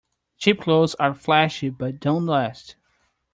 Cheap clothes are flashy but don't last.